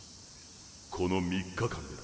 この３日間でだ。